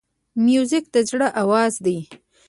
موزیک د زړه آواز دی.